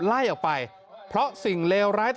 ไล่ออกไปเพราะสิ่งเลวร้าย